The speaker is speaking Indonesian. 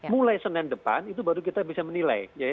mulai senin depan itu baru kita bisa menilai